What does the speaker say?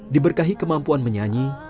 diberkahi kemampuan menyanyi